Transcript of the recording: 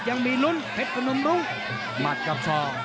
ยังมีลุ้นเผ็ดกับนมรุ้งหมัดกับช่อง